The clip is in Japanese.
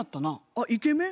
あっイケメン？